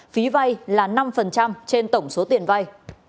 phí vay là năm trên tổng số tiền vay